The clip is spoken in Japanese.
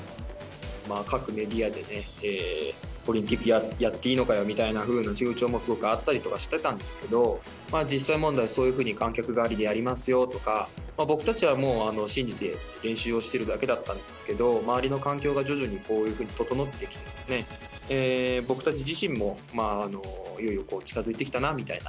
各メディアでね、オリンピックやっていいのかよみたいなふうな風潮もあったりとかしてたんですけど、実際問題、そういうふうに観客がありでやりますよとか、僕たちはもう信じて練習をしてるだけだったんですけど、周りの環境が徐々にこういうふうに整ってきてですね、僕たち自身も、いよいよ近づいてきたなみたいな。